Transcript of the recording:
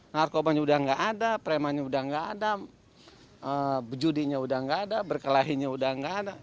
narkomannya udah gak ada premannya udah gak ada bejudinya udah gak ada berkelahinya udah gak ada